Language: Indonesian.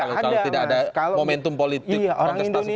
kalau tidak ada momentum politik kontestasi politik nggak ada ya